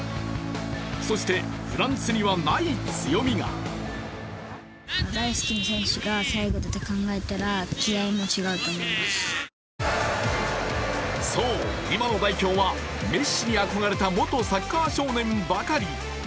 そしてフランスにはない強みがそう、今の代表はメッシに憧れた元サッカー少年ばかり。